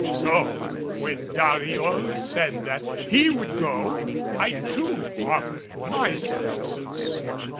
So when Dariol had said that he would go, I too offered my services.